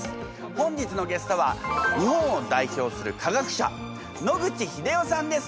本日のゲストは日本を代表する科学者野口英世さんです